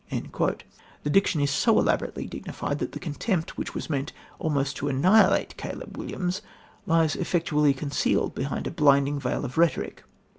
" The diction is so elaborately dignified that the contempt which was meant almost to annihilate Caleb Williams, lies effectually concealed behind a blinding veil of rhetoric.